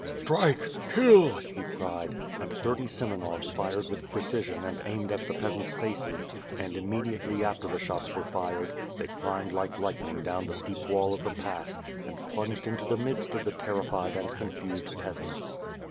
"Strike! Kill!" he cried, and thirty Semenovs fired with precision and aimed at the peasants' faces, and, immediately after the shots were fired, they climbed like lightning down the steep wall of the pass, and plunged into the midst of the terrified and confused peasants.